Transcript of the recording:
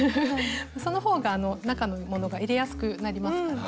その方が中のものが入れやすくなりますから。